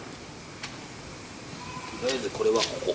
とりあえずこれはここ。